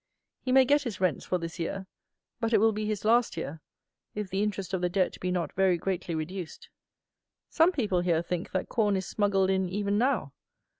He may get his rents for this year; but it will be his last year, if the interest of the Debt be not very greatly reduced. Some people here think that corn is smuggled in even now!